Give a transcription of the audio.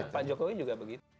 pak jokowi juga begitu